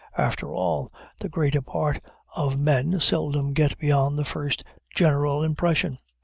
After all, the greater part of men seldom get beyond the first general impression.